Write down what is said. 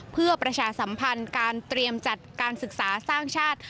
เพื่อประชาสัมพันธ์การเตรียมจัดการศึกษาสร้างชาติ